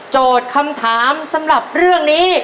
คำถามสำหรับเรื่องนี้